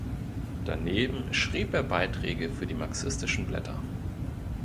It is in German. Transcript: Daneben schrieb er Beiträge für die Marxistischen Blätter.